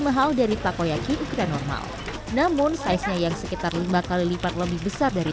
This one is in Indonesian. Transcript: mahal dari takoyaki ukuran normal namun size nya yang sekitar lima kali lipat lebih besar dari